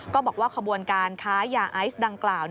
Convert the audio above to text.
ก็บอกว่าขบวนการค้ายาไอซ์ดังกล่าว